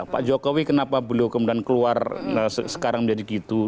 pak jokowi kenapa beliau kemudian keluar sekarang menjadi gitu